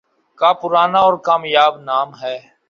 کا پرانا اور کامیاب نام ہے